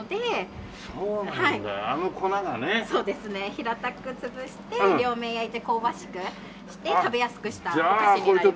平たく潰して両面焼いて香ばしくして食べやすくしたお菓子になります。